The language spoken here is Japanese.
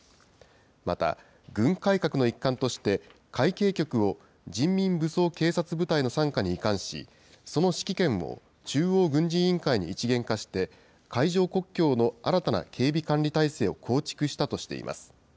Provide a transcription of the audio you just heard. また、軍改革の一環として、海警局を人民武装警察部隊の傘下に移管し、その指揮権を中央軍事委員会に一元化して、海上国境の新たな警備管理体制を構築したとしています。